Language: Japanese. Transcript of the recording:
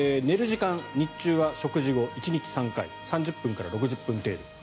寝る時間、日中は食事後、１日３回３０分から６０分程度。